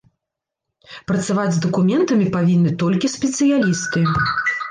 Працаваць з дакументамі павінны толькі спецыялісты.